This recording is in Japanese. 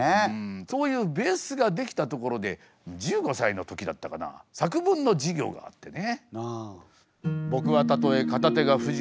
そういうベースが出来たところで１５歳の時だったかな作文の授業があってね。